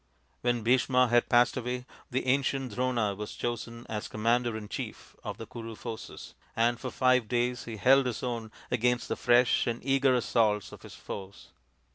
When Bhisma had passed away the ancient Drona was chosen as commander in chief of the Kuru forces, and for five days he held his own against the fresh and eager assaults of his foes.